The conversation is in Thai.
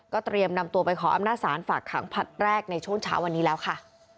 เตรียมนำตัวไปขออำนาจศาลฝากขังผลัดแรกในช่วงเช้าวันนี้แล้วค่ะ